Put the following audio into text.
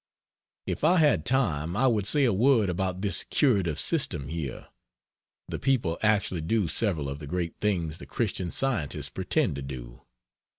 If I had time, I would say a word about this curative system here. The people actually do several of the great things the Christian Scientists pretend to do.